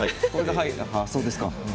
あそうですか。